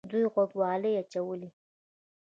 دوی غوږوالۍ اچولې